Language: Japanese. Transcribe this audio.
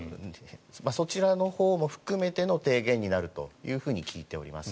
そちらのほうも含めての提言になるというふうに聞いています。